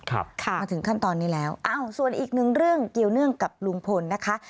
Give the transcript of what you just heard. มาถึงขั้นตอนนี้แล้วอ้าวส่วนอีกหนึ่งเรื่องเกี่ยวเนื่องกับลุงพลนะคะ